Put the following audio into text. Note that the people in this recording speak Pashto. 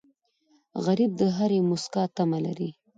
غریب د هرې موسکا تمه لري